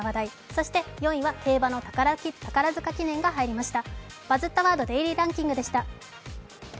そして４位は競馬の宝塚記念が入りました。